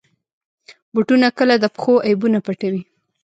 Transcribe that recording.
بوټونه کله د پښو عیبونه پټوي.